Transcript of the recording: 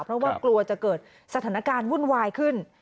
เพราะว่ากลัวจะเกิดสถานการณ์วุ่นวายขึ้น